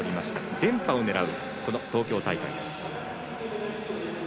連覇を狙う東京大会です。